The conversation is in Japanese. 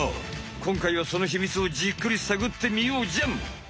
こんかいはそのひみつをじっくりさぐってみようじゃん。